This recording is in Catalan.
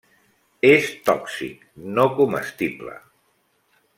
És tòxic, no comestible.